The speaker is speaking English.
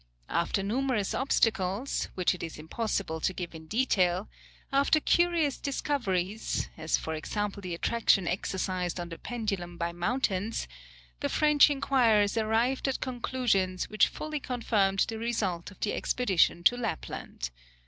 After numerous obstacles, which it is impossible to give in detail, after curious discoveries, as for example the attraction exercised on the pendulum by mountains, the French inquirers arrived at conclusions which fully confirmed the result of the expedition to Lapland.